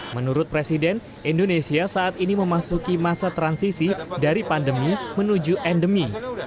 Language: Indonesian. menurut presiden indonesia saat ini memasuki masa transisi dari pandemi menuju endemi